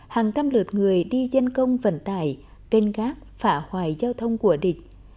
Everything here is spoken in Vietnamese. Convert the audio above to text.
hàng trăm lượt người đi dân công vận tải kênh gác phả hoài giao thông của địch